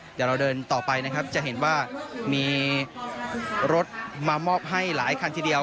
เดี๋ยวเราเดินต่อไปนะครับจะเห็นว่ามีรถมามอบให้หลายคันทีเดียว